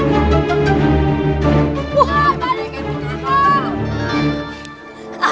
bapak balikin petaku